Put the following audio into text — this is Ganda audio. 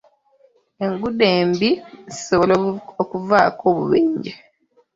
Enguudo embi zisobola okuvaako obubenje.